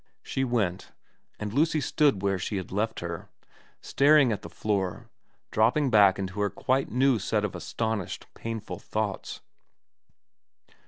She went ; and Lucy stood where she had left her, staring at the floor, dropping back into her quite new set of astonished, painful thoughts.